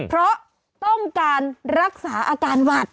เพราะต้องการรักษาอาการหวัด